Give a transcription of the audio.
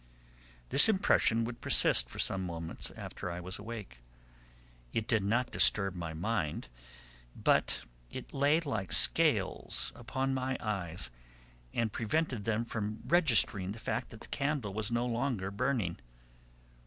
This impression would persist for some moments after I was awake; it did not disturb my mind, but it lay like scales upon my eyes and prevented them from registering the fact that the candle was no longer burning.